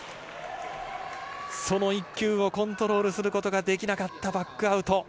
その一球をコントロールすることができなかったバックアウト。